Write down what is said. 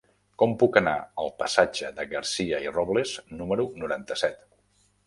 Com puc anar al passatge de Garcia i Robles número noranta-set?